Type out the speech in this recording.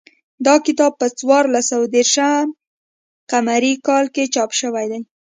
دا کتاب په څوارلس سوه دېرش قمري کال کې چاپ شوی دی